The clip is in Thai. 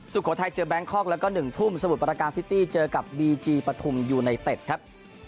สุโขทัยเจอแบงคอกแล้วก็๑ทุ่มสมุทรประการซิตี้เจอกับบีจีปฐุมยูไนเต็ดครับ